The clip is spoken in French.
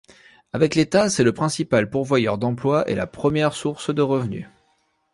Avec l'État, c'est le principal pourvoyeur d'emplois et la première source de revenus.